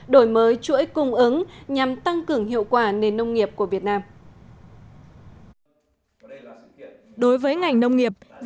đổi mới chủ đề nông nghiệp